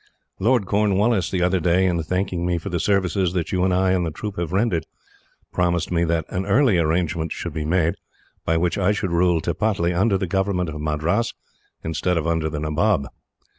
"Lord Cornwallis the other day, in thanking me for the services that you and I and the troop have rendered, promised me that an early arrangement should be made, by which I should rule Tripataly under the government of Madras, instead of under the Nabob.